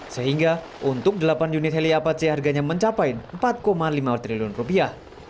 sehingga untuk delapan unit heli apache harganya mencapai empat lima triliun rupiah